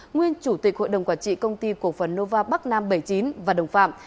nguyên chủ tịch hội đồng quản trị công ty cổ phần nova bắc nam bảy mươi chín và đồng phạm